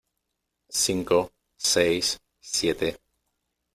cinco, seis , siete ,